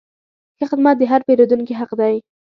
ښه خدمت د هر پیرودونکي حق دی.